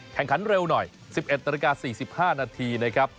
แข่งขันเร็วหน่อย๑๑นาฬิกา๔๕นาทีนะครับ